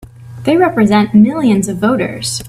They represent millions of voters!